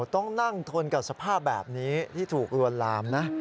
ต้องนั่งทนกับสภาพแบบนี้ที่ถูกลวนลามนะ